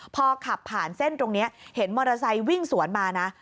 พอขับผ่านเส้นตรงนี้เห็นมอเตอร์ไซค์วิ่งสวนมานะ